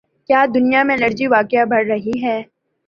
کیا دنیا میں الرجی واقعی بڑھ رہی ہے